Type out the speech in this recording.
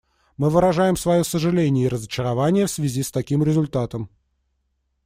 Мы выражаем свое сожаление и разочарование в связи с таким результатом.